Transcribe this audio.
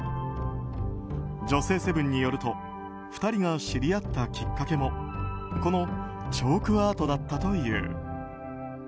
「女性セブン」によると２人が知り合ったきっかけもこのチョークアートだったという。